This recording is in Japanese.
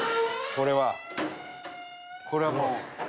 これはもう。